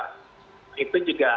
nah itu juga